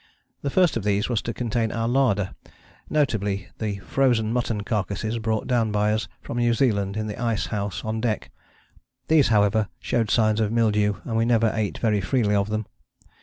The first of these was to contain our larder, notably the frozen mutton carcasses brought down by us from New Zealand in the ice house on deck. These, however, showed signs of mildew, and we never ate very freely of them.